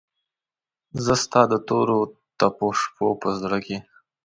زه ستا دتوروتپوشپوپه زړه کې